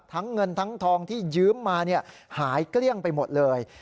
เงินทั้งทองที่ยืมมาหายเกลี้ยงไปหมดเลย